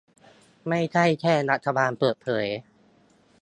ไม่ใช่แค่รัฐบาลเปิดเผย